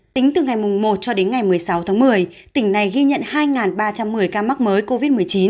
tính từ ngày một cho đến ngày một mươi sáu tháng một mươi tỉnh này ghi nhận hai ba trăm một mươi ca mắc mới covid một mươi chín